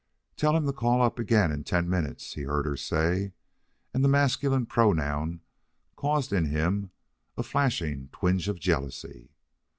"Tell him to call up again in ten minutes," he heard her say, and the masculine pronoun caused in him a flashing twinge of jealousy.